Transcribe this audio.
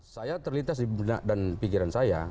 saya terlintas di benak dan pikiran saya